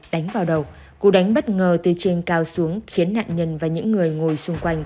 đánh vào đầu cụ đánh bất ngờ từ trên cao xuống khiến nạn nhân và những người ngồi xung quanh